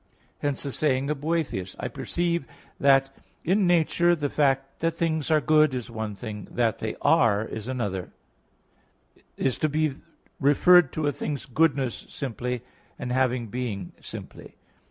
Hence the saying of Boethius (De Hebdom.), "I perceive that in nature the fact that things are good is one thing; that they are is another," is to be referred to a thing's goodness simply, and having being simply.